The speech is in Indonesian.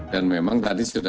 dan memang tadi sudah terjadi